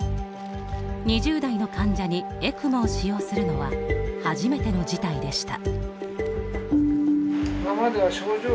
２０代の患者にエクモを使用するのは初めての事態でした。